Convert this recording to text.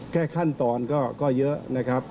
แค่ขั้นตอนก็เยอะนะครับ